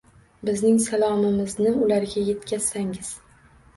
Bizning salomimizni ularga yetkazsangiz.